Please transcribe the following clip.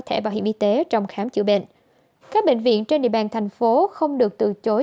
thẻ bảo hiểm y tế trong khám chữa bệnh các bệnh viện trên địa bàn thành phố không được từ chối